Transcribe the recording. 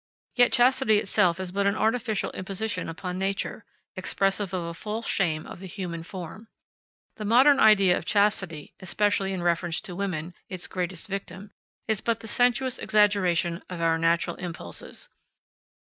Yet chastity itself is but an artificial imposition upon nature, expressive of a false shame of the human form. The modern idea of chastity, especially in reference to woman, its greatest victim, is but the sensuous exaggeration of our natural impulses.